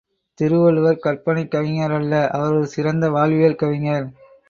திருவள்ளுவர் கற்பனைக் கவிஞரல்ல அவர் ஒரு சிறந்த வாழ்வியல் கவிஞர்.